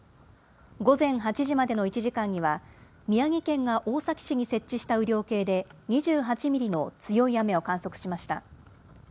午前８時までの１時間には宮城県が大崎市に設置した雨量計で２８ミリの強い雨を観測しました。